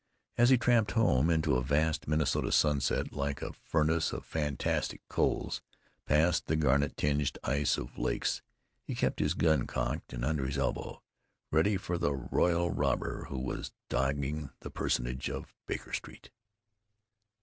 As he tramped home, into a vast Minnesota sunset like a furnace of fantastic coals, past the garnet tinged ice of lakes, he kept his gun cocked and under his elbow, ready for the royal robber who was dogging the personage of Baker Street.